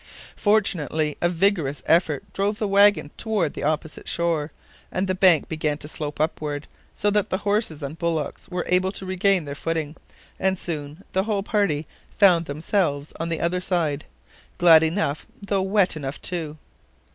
Fortunately a vigorous effort drove the wagon toward the opposite shore, and the bank began to slope upward, so that the horses and bullocks were able to regain their footing, and soon the whole party found themselves on the other side, glad enough, though wet enough too.